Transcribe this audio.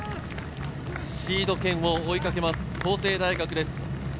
シード権を追いかける法政大学です。